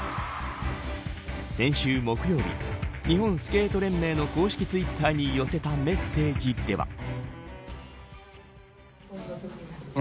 先週木曜日日本スケート連盟の公式ツイッターに寄せたメッセージでは。